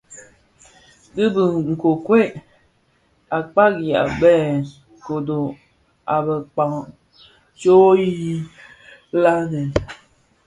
Dhi bi nkokwei a kpagianë bi kodo a bekpag tsok yi landen.